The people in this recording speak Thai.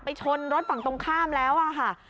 ชนรถฝั่งตรงข้ามแล้วค่ะ